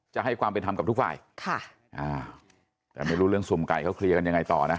จะให้ความเป็นธรรมกับทุกฝ่ายค่ะอ่าแต่ไม่รู้เรื่องสุ่มไก่เขาเคลียร์กันยังไงต่อนะ